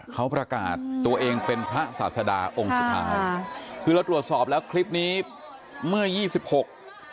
เขาประกาศตัวเองเป็นพระศาสดาองค์สุดท้ายค่ะคือเราตรวจสอบแล้วคลิปนี้เมื่อยี่สิบหก